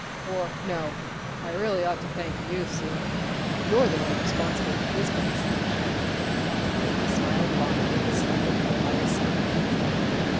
Or no I really ought to thank you, Sue. You're the one responsible for his participation!" And he smiled fondly at the slender girl by his side.